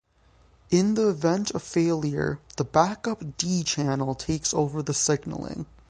In the event of failure the backup D channel takes over the signaling.